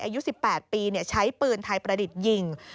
อายุ๑๘ปีใช้ปืนไทยประดิษฐ์ยิง